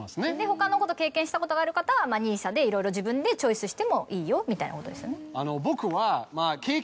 他のこと経験したことがある方はＮＩＳＡでいろいろ自分でチョイスしてもいいよみたいなことですよね。